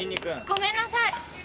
ごめんなさい。